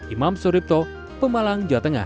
imam suripto pemalang jawa tengah